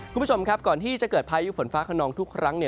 คุณผู้ชมครับก่อนที่จะเกิดพายุฝนฟ้าขนองทุกครั้ง